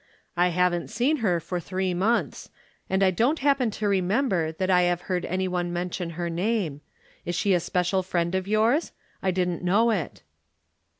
" I haven't seen her for three months, and I don't happen to remember that I have heard any one mention her name. Is she a special friend of yours ? I didn't know it."